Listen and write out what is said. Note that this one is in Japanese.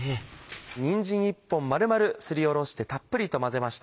にんじん１本丸々すりおろしてたっぷりと混ぜました。